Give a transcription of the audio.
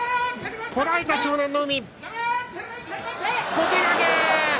小手投げ。